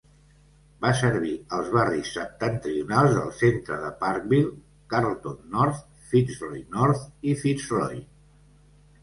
Va servir als barris septentrionals del centre de Parkville, Carlton North, Fitzroy North i Fitzroy.